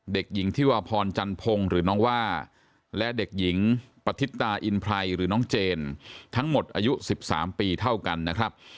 เด็กหญิงที่วาพรจันพงศ์หรือน้องว่าและเด็กหญิงปฏิตาอินไพรหรือน้องเจนทั้งหมดอายุ๑๓ปีเท่ากันนะครับ